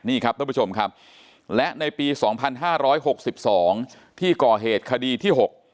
นี่ครับท่านผู้ชมครับและในปีสองพันห้าร้อยหกสิบสองที่ก่อเหตุคดีที่หก